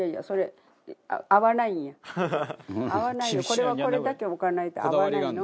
これはこれだけ置かないと合わないの。